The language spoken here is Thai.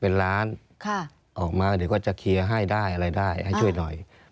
เป็นล้านออกมาเดี๋ยวก็จะเคลียร์ให้ได้อะไรได้ให้ช่วยหน่อย